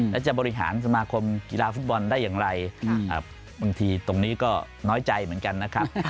แล้วจะบริหารสมาคมกีฬาฟุตบอลได้อย่างไรบางทีตรงนี้ก็น้อยใจเหมือนกันนะครับ